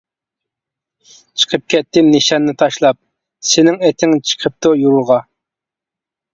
چىقىپ كەتتىم نىشاننى تاشلاپ، سېنىڭ ئېتىڭ چىقىپتۇ يورغا.